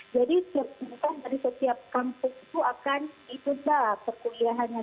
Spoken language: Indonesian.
jadi bukan dari setiap kampung itu akan ditunda perkuliahannya